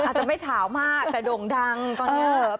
อาจจะไม่ฉาวมากแต่โด่งดังก็ได้